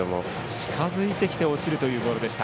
近づいてきて落ちるボールでした。